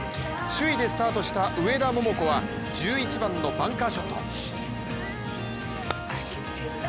首位でスタートした上田桃子は１１番のバンカーショット。